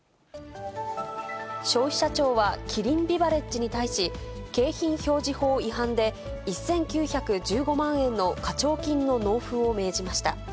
消費者庁はキリンビバレッジに対し、景品表示法違反で、１９１５万円の課徴金の納付を命じました。